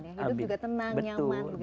hidup juga tenang nyaman gitu ya